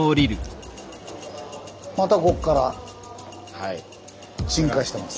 またこっから沈下してます。